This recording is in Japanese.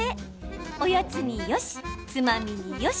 おやつによし、つまみによし。